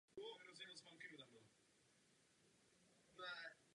Nemohu vám dovolit zkreslovat tento návrh.